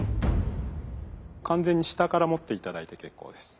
完全に下から持って頂いて結構です。